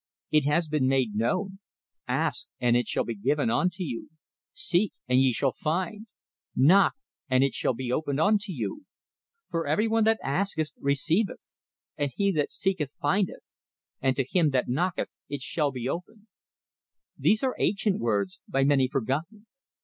It has been made known: Ask, and it shall be given you; seek, and ye shall find; knock, and it shall be opened unto you. For everyone that asketh receiveth; and he that seeketh findeth; and to him that knocketh it shall be opened. These are ancient words, by many forgotten.